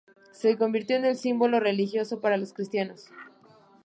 Se convirtió en un símbolo religioso para los cristianos.